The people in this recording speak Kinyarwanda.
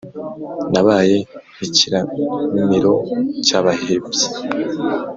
nabaye ikiramiro cy’abahebyi,